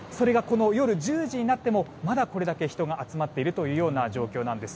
夜１０時になってもまだこれだけ人が集まっている状況です。